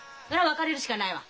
別れるしかないわ。